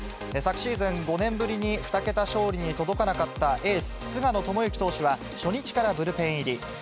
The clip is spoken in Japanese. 昨シーズン、５年ぶりに２桁勝利に届かなかったエース、菅野智之投手は初日からブルペン入り。